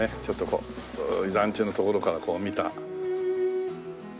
ちょっとこう団地の所からこう見た。